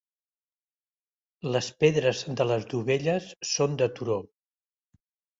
Les pedres de les dovelles són de turó.